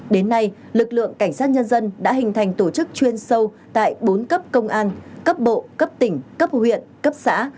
đến nay lực lượng cảnh sát nhân dân đã hình thành tổ chức chuyên sâu tại bốn cấp công an cấp bộ cấp tỉnh cấp huyện cấp xã